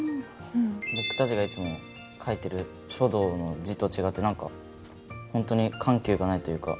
僕たちがいつも書いてる書道の字と違って本当に緩急がないというか。